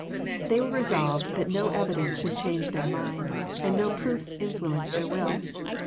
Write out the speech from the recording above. They were resolved that no evidence should change their minds, and no proofs influence their will.